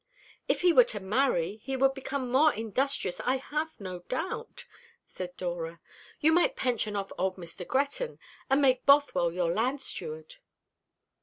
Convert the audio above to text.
"If he were to marry he would become more industrious, I have no doubt," said Dora. "You might pension off old Mr. Gretton, and make Bothwell your land steward."